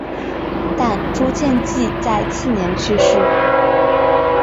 但朱见济在次年去世。